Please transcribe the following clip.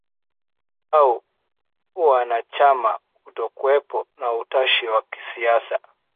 au uanachama Kutokuwepo na utashi wa kisiasa